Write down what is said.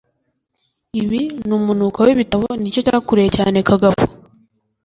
Ibi, numunuko wibitabo nicyo cyakuruye cyane Kagabo